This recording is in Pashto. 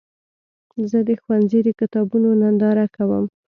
زه د ښوونځي د کتابونو ننداره کوم.